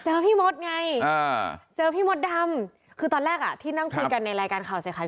พี่มดไงเจอพี่มดดำคือตอนแรกอ่ะที่นั่งคุยกันในรายการข่าวใส่ไข่